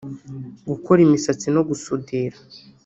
gukora imisatsi no gusudira